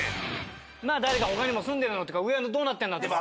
まあ誰か他にも住んでるのとか上はどうなってんのとか。